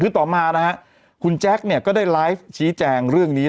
คือต่อมานะฮะคุณแจ๊คก็ได้ไลฟ์ชี้แจงเรื่องนี้